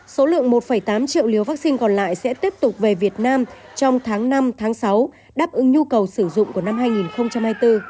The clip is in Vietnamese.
số lượng một tám triệu liều vaccine còn lại sẽ tiếp tục về việt nam trong tháng năm tháng sáu đáp ứng nhu cầu sử dụng của năm hai nghìn hai mươi bốn